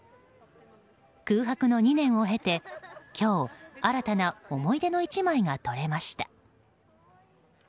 空白の２年を経て今日、新たな思い出の一枚が撮れました。